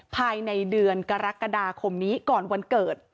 ภายในเดือนกรกฎาคมนี้ก่อนวันเกิด